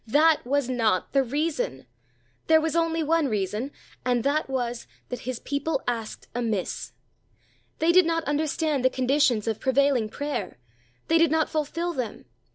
That was not the reason. There was only one reason, and that was, that His people asked amiss. They did not understand the conditions of prevailing prayer. They did not fulfil them.